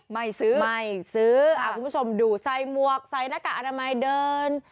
ไม่ซื้อไม่ซื้อคุณผู้ชมดูใส่หมวกใส่หน้ากากอนามัยเดิน